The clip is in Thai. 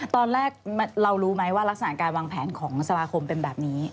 ตอนแรกเรารู้ไหมว่ารักษณะการวางแผนของสมาคมเป็นแบบนี้